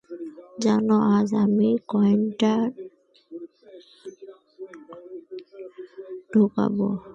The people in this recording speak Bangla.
জানো, আজ আমিই কয়েনটা ঢোকাব।